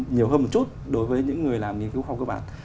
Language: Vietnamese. nhiều hơn một chút đối với những người làm nghiên cứu khoa học cơ bản